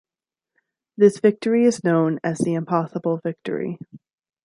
This victory is known as "The Impossible Victory".